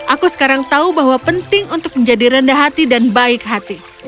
aku sekarang tahu bahwa penting untuk menjadi rendah hati dan baik hati